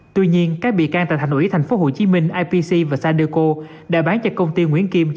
tuy nhiên các bị can tại thành ủy tp hcm ipc và sandeco đã bán cho công ty nguyễn kim